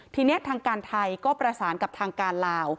ทีนี้ทางการไทยก็ประสานกับทางการลาว